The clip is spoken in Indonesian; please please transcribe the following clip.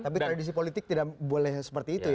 tapi tradisi politik tidak boleh seperti itu ya